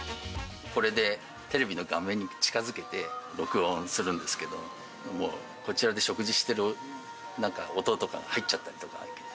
これでテレビの画面に近づけて、録音するんですけど、もう、こちらで食事してる音とか入っちゃったりとか。